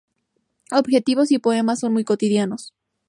Objetos y poemas son muy cotidianos.